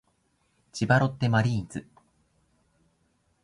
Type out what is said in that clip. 千葉ロッテマリーンズ